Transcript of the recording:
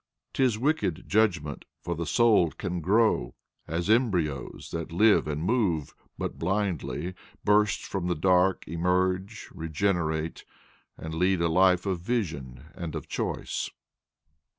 'Tis wicked judgment! for the soul can grow, As embryos, that live and move but blindly, Burst from the dark, emerge, regenerate, And lead a life of vision and of choice.